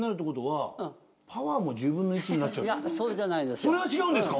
ちなみにそれは違うんですか？